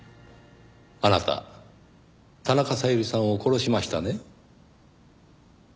あなた田中小百合さんを殺しましたね？